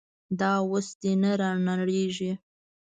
دا اوس دې نه رانړېږي.